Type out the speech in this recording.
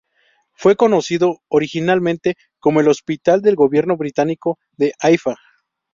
Fue conocido originalmente como el Hospital del Gobierno Británico de Haifa.